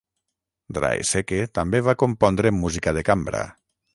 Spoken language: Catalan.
Draeseke també va compondre música de cambra.